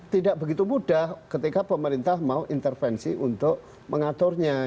tidak begitu mudah ketika pemerintah mau intervensi untuk mengaturnya